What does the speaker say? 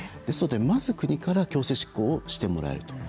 ですので、まず国から強制執行をしてもらえると。